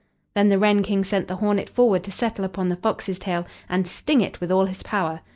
Then the wren King sent the hornet forward to settle upon the fox's tail and sting it with all his power.